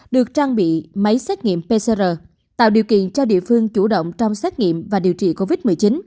được trang bị máy xét nghiệm pcr tạo điều kiện cho địa phương chủ động trong xét nghiệm và điều trị covid một mươi chín